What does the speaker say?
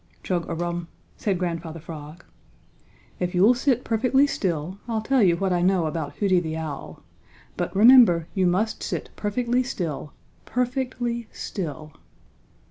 "Chug a rum," said Grandfather Frog. "If you'll sit perfectly still I'll tell you what I know about Hooty the Owl. But remember, you must sit perfectly still, per fect ly still."